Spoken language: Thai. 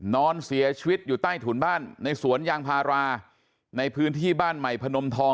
นอนเสียชีวิตอยู่ใต้ถุนบ้านในสวนยางพาราในพื้นที่บ้านใหม่พนมทอง